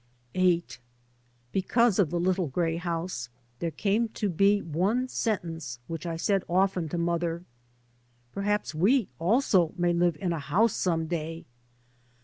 3 by Google VIII BECAUSE of the little grey house there came to be one sentence which I said often to mother :" Perhaps we also may live in a house some day."